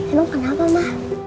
emang kenapa ma